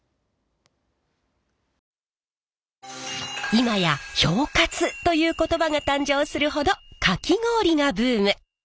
今や氷活という言葉が誕生するほどかき氷がブーム。